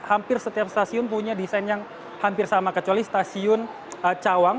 hampir setiap stasiun punya desain yang hampir sama kecuali stasiun cawang